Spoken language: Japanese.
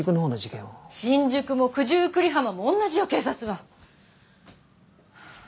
新宿も九十九里浜も同じよ警察は。